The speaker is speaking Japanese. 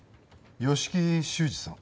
吉木修二さん